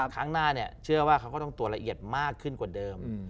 ครั้งหน้าเชื่อว่าเขาก็ต้องตรวจละเอียดมากขึ้นกว่าเดิม